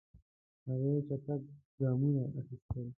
هغې چټک ګامونه اخیستل.